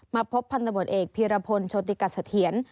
พบพันธบทเอกพีรพลโชติกัสเถียร